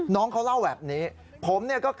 น้องเขาเล่าแบบนี้